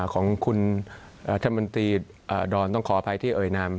ของคุณธมนตรีดอนต้องขออภัยที่เอ่ยนาม